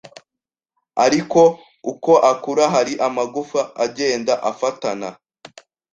ariko uko akura hari amagufa agenda afatana